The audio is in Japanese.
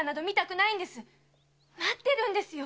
待ってるんですよ！